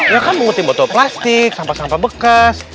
ya kamu timotoplastik sampah sampah bekas